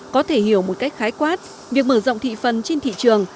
có thể hiểu một cách khái quát việc mở rộng thị phần trên thị trường